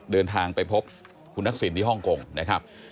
เดินทางไปพบคุณทักษิณที่ฮ่องกงนะครับ